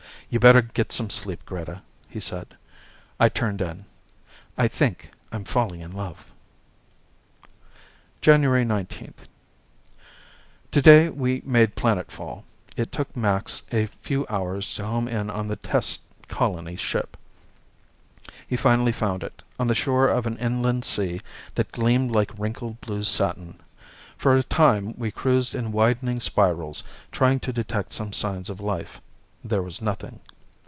"You'd better get some sleep, Greta," he said. I turned in. I think I'm falling in love. January 19 Today we made planetfall. It took Max a few hours to home in on the test colony ship. He finally found it, on the shore of an inland sea that gleamed like wrinkled blue satin. For a time we cruised in widening spirals, trying to detect some signs of life. There was nothing.